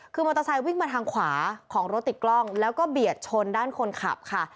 คือมอเตอร์ไซค์วิ่งมาทางขวาของรถติดกล้องแล้วก็เบียดชนด้านคนขับค่ะ